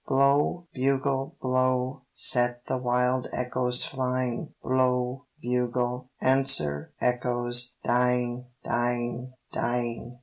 Blow, bugle, blow, set the wild echoes flying, Blow, bugle; answer, echoes, dying, dying, dying.